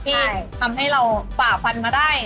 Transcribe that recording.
ที่ทำให้เราฝ่าฟันมาได้